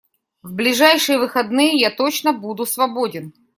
В ближайшие выходные я точно буду свободен.